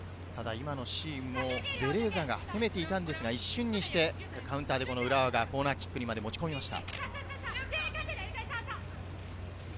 今のシーンもベレーザが攻めていましたが、一瞬にしてカウンターで浦和がコーナーキックに持ち込みました。